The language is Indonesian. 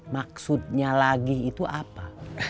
maksudnya lagi itu apa